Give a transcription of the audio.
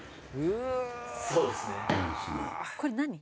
これ何？